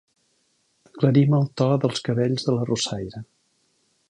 Aclarim el to dels cabells de l'arrossaire.